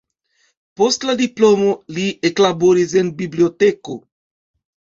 Post la diplomo li eklaboris en biblioteko.